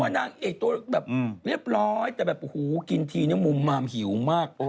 นางเอกตัวแบบเรียบร้อยแต่แบบโอ้โหกินทีนี้มุมมามหิวมาก